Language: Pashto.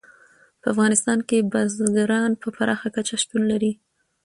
په افغانستان کې بزګان په پراخه کچه شتون لري.